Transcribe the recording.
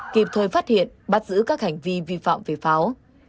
kịp thời phát hiện bắt giữ các hành vi vi phạm về pháo